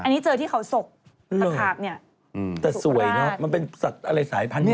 อันนี้เจอที่เขาศกตะขาบเนี่ยแต่สวยเนอะมันเป็นสัตว์อะไรสายพันธุ์